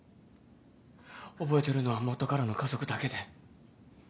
覚えてるのは元からの家族だけで。